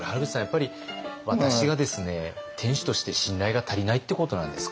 やっぱり私がですね店主として信頼が足りないってことなんですかね？